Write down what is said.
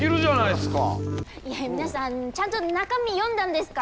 いやいや皆さんちゃんと中身読んだんですか？